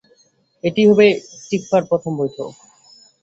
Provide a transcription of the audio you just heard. এটিই হবে টিকফার প্রথম বৈঠক।